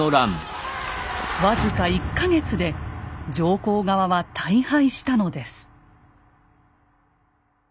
僅か１か月で上皇側は大敗したのです。